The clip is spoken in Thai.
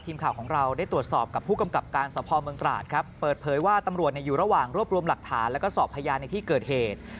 ทีมข่าวของเราได้ตรวจสอบกับผู้กำกับการสภเมืองตราดครับเปิดเผยว่าตำรวจอยู่ระหว่างรวบรวมหลักฐานแล้วก็สอบพยานในที่เกิดเหตุ